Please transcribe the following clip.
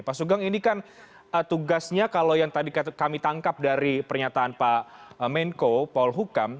pak sugeng ini kan tugasnya kalau yang tadi kami tangkap dari pernyataan pak menko polhukam